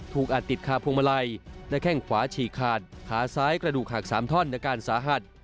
อาจติดคาพวงมาลัยและแข้งขวาฉีกขาดขาซ้ายกระดูกหัก๓ท่อนอาการสาหัส